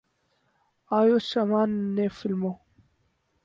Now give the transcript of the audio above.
آیوشمان نے فلموں